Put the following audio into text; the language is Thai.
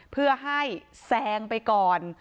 เพื่อให้แซงไปก่อน